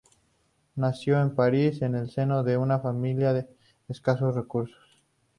Nació en París en el seno de una familia de escasos recursos.